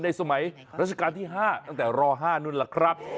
สมัยราชการที่๕ตั้งแต่ร๕นู่นล่ะครับ